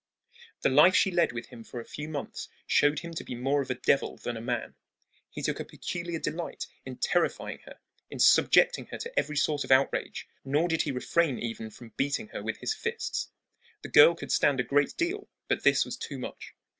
The life she led with him for a few months showed him to be more of a devil than a man. He took a peculiar delight in terrifying her, in subjecting her to every sort of outrage; nor did he refrain even from beating her with his fists. The girl could stand a great deal, but this was too much.